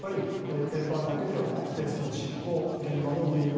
ペーパーだけではなくて実行、現場の運用